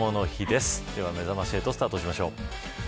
では、めざまし８スタートしましょう。